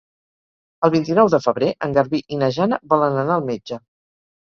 El vint-i-nou de febrer en Garbí i na Jana volen anar al metge.